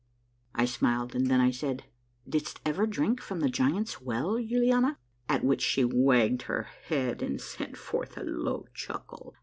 I smiled, and then I said, — "Didst ever drink from the Giants' Well, Yuliana?" At which she wagged her head and sent forth a low chuckle.